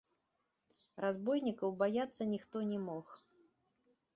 Разбойнікаў баяцца ніхто не мог.